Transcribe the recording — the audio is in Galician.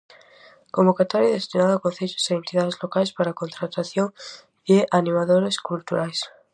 Convocatoria destinada a concellos e entidades locais para a contratación de animadores culturais.